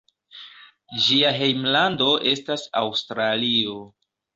Ĝia hejmlando estas Aŭstralio.